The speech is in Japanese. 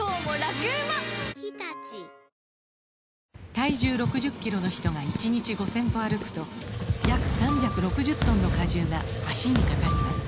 体重６０キロの人が１日５０００歩歩くと約３６０トンの荷重が脚にかかります